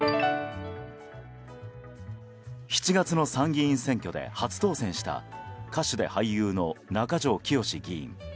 ７月の参議院選挙で初当選した歌手で俳優の中条きよし議員。